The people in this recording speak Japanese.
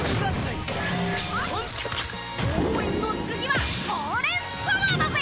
応援の次はオーレンパワーだぜ！